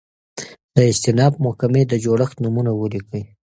د استیناف محکمي د جوړښت نومونه ولیکئ؟